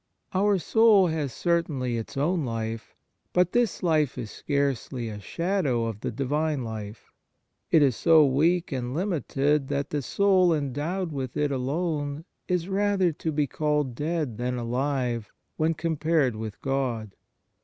Our soul has, certainly, its own life, but this life is scarcely a shadow of the Divine life; it is so weak and limited that the soul endowed with it alone is rather to be called dead than alive when compared with God.